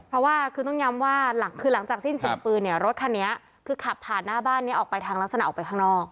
เพราะว่าคือต้องย้ำว่าคือหลังจากสิ้นเสียงปืนเนี่ยรถคันนี้คือขับผ่านหน้าบ้านนี้ออกไปทางลักษณะออกไปข้างนอก